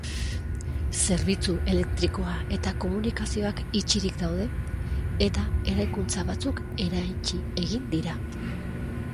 Zerbitzu elektrikoa eta komunikazioak itxirik daude eta eraikuntza batzuk eraitsi egin dira.